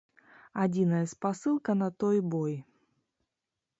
Адзіная спасылка на той бой.